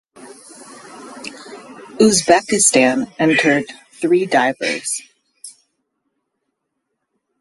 Uzbekistan entered three divers.